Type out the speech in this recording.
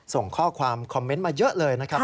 ส่งข้อความคอมเมนต์มาเยอะเลยนะครับ